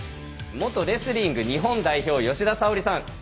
元レスリング日本代表吉田沙保里さん。